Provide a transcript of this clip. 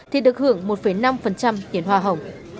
thì được hưởng một năm tiền hoa hồng